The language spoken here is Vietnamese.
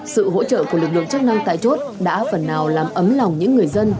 sự hỗ trợ của lực lượng chức năng tại chốt đã phần nào làm ấm lòng những người dân